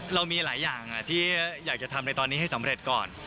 เรามีหลายอย่างที่อยากจะทำในตอนนี้ให้สำเร็จก่อน